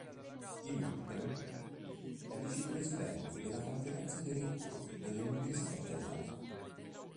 Inoltre, è vicepresidente della Conferenza dei Rettori delle Università Italiane.